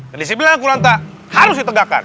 jadi si bilang aku lanta harus ditegakkan